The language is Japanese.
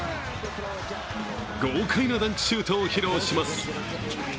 豪快なダンクシュートを披露します。